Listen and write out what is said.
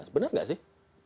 benar tidak sih